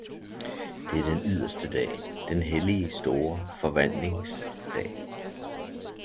Det er den yderste dag, den hellige store forvandlings dag